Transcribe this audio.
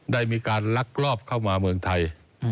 ได้มีการลักลอบเข้ามาเมืองไทย